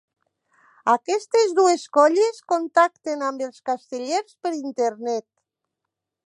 Aquestes dues colles contacten amb els castellers per internet.